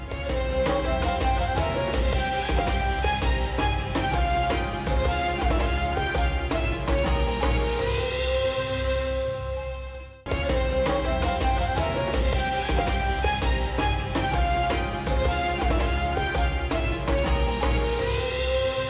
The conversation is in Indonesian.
dan di sini